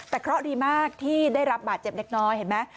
แต่เคราะห์ดีมากที่ได้รับบาดเจ็บเล็กน้อยเห็นไหม